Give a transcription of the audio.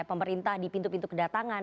pemerintah di pintu pintu kedatangan